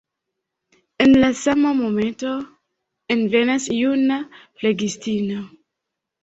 En la sama momento envenas juna flegistino.